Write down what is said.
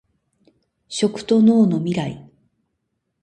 食と農のミライ